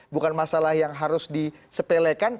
bukan masalah yang harus disepelekan